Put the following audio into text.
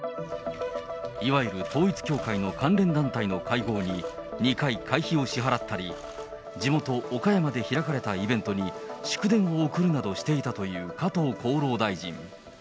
いわゆる統一教会の関連団体の会合に２回会費を支払ったり、地元、岡山で開かれたイベントに祝電を送るなどしていたという加藤厚労大臣。